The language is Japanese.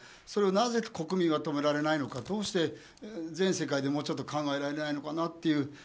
それをなぜ国民が止められないのかどうして全世界で考えられないのか。